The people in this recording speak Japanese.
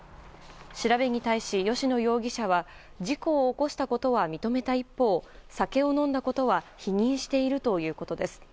調べに対し吉野容疑者は事故を起こしたことは認めた一方酒を飲んだことは否認しているということです。